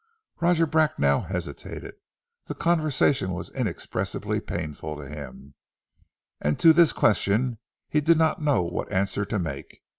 Roger Bracknell hesitated. The conversation was inexpressibly painful to him, and to this question he did not know what answer to make.